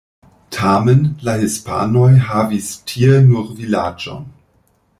Tamen la hispanoj havis tie nur vilaĝon.